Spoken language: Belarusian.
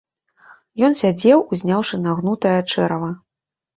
Ён сядзеў, узняўшы нагнутае чэрава.